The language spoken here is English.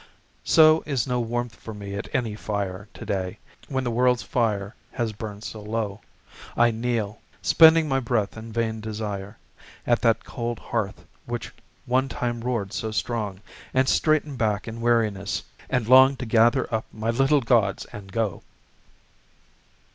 So is no warmth for me at any fire To day, when the world's fire has burned so low; I kneel, spending my breath in vain desire, At that cold hearth which one time roared so strong, And straighten back in weariness, and long To gather up my little gods and go.